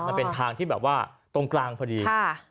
มันเป็นทางที่แบบว่าตรงกลางพอดี